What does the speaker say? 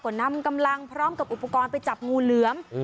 ก็นำกำลังพร้อมกับอุปกรณ์ไปจับงูเหลือม